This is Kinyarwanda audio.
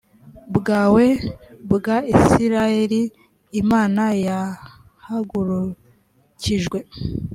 bwawe bwa isirayeli imana yahagurukijwe